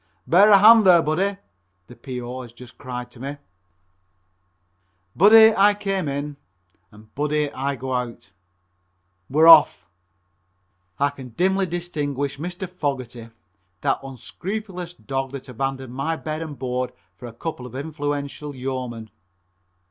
"Bear a hand there, buddy," the P.O. has just cried at me. "Buddy" I came in and "buddy" I go out. We're off! I can dimly distinguish Mr. Fogerty, that unscrupulous dog that abandoned my bed and board for a couple of influential yeomen.